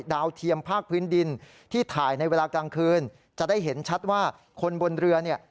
เทียมภาคพื้นดินที่ถ่ายในเวลากลางคืนจะได้เห็นชัดว่าคนบนเรือเนี่ย